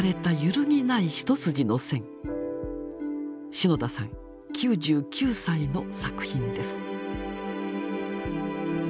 篠田さん９９歳の作品です。